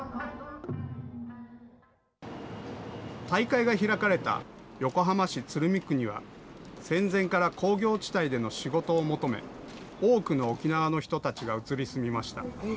大会が開かれた横浜市鶴見区には、戦前から工業地帯での仕事を求め、多くの沖縄の人たちが移り住みました。